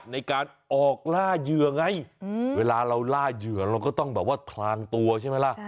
ในการออกล่าเหยื่อไงเวลาเราล่าเหยื่อเราก็ต้องแบบว่าพลางตัวใช่ไหมล่ะ